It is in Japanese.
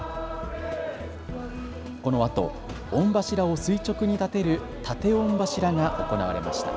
このあと御柱を垂直に建てる建御柱が行われました。